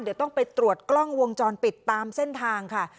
เดี๋ยวต้องไปตรวจกล้องวงจรปิดตามเส้นทางค่ะ